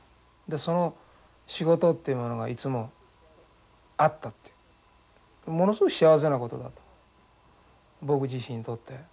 その仕事っていうものがいつもあったっていうものすごい幸せなことだと僕自身にとって。